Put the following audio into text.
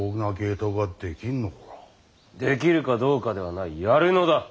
できるかどうかではないやるのだ。